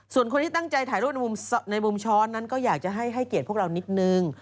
ส่วนคนที่ตั้งใจถ่ายรูปในมุมช้อนนั้นก็อยากจะให้เกียรติพวกเรานิดนึง